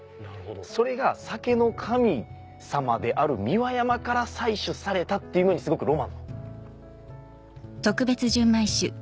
それが酒の神様である三輪山から採取されたっていうのにすごくロマンを。